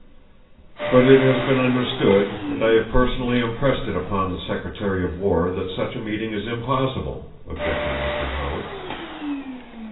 "But it has been understood, and I have personally impressed it upon the secretary of war that such a meeting is impossible," objected Mr. Howard.